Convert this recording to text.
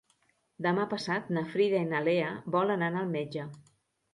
Demà passat na Frida i na Lea volen anar al metge.